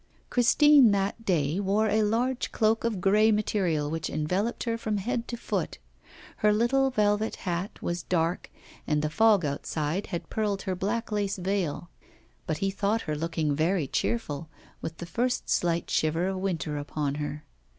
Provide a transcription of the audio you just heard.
Christine that day wore a large cloak of grey material which enveloped her from head to foot. Her little velvet hat was dark, and the fog outside had pearled her black lace veil. But he thought her looking very cheerful, with the first slight shiver of winter upon her.